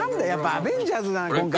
アベンジャーズだな今回。